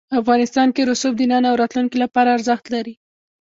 افغانستان کې رسوب د نن او راتلونکي لپاره ارزښت لري.